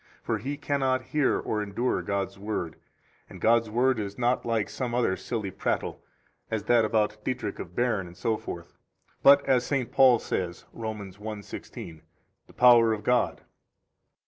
For he cannot hear or endure God's Word; and God's Word is not like some other silly prattle, as that about Dietrich of Berne, etc., but as St. Paul says, Rom. 1:16, the power of God.